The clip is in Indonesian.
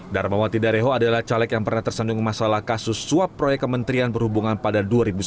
darmawati dareho adalah caleg yang pernah tersandung masalah kasus suap proyek kementerian perhubungan pada dua ribu sembilan